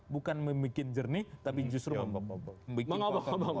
bukan membuat jernih tapi justru membuat